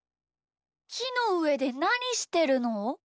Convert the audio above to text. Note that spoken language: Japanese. きのうえでなにしてるの？